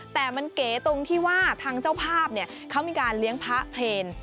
แต่มันเก๋ตรงที่ว่าทางเจ้าภาพเขามีการเลี้ยงพระเพลน